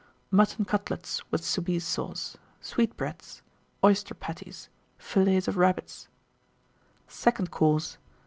Mutton Cutlets, with Soubise Sauce. Sweetbreads. Oyster Patties. Fillets of Rabbits. SECOND COURSE.